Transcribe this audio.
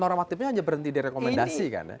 normatifnya hanya berhenti di rekomendasi kan ya